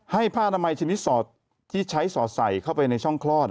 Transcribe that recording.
ผ้านามัยชนิดสอดที่ใช้สอดใส่เข้าไปในช่องคลอด